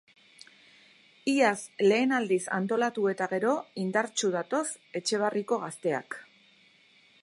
Iaz lehen aldiz antolatu eta gero indartsu datoz Etxebarriko gazteak.